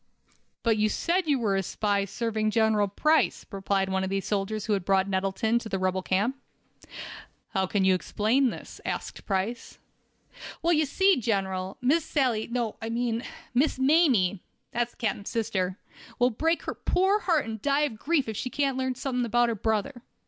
"But you said you were a spy, serving General Price," replied one of the soldiers who had brought Nettleton to the rebel camp. "How can you explain this?" asked Price. "Well, ye see, General, Miss Sally—no, I mean Miss Mamie—that's the captain's sister—will break her poor heart and die of grief if she can't learn something about her brother.